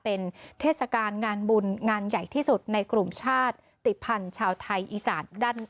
เป็นเทศกาลงานบุญงานใหญ่ที่สุดในกลุ่มชาติภัณฑ์ชาวไทยอีสาน